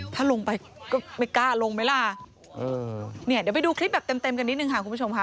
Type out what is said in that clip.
ถ้าลงไปก็ไม่กล้าลงไหมล่ะเออเนี่ยเดี๋ยวไปดูคลิปแบบเต็มเต็มกันนิดนึงค่ะคุณผู้ชมค่ะ